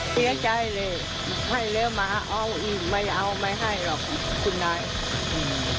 เสียใจเลยให้แล้วมาเอาอีกไม่เอาไม่ให้หรอกคุณนายอืม